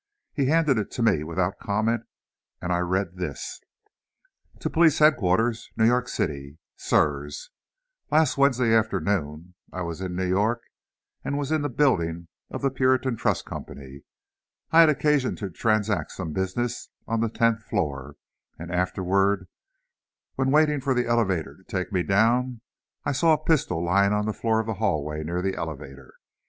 He handed it to me without comment, and I read this: To Police Headquarters; New York City; Sirs: Last Wednesday afternoon, I was in New York, and was in the Building of the Puritan Trust Company. I had occasion to transact some business on the tenth floor, and afterward, when waiting for the elevator to take me down, I saw a pistol lying on the floor of the hallway near the elevator.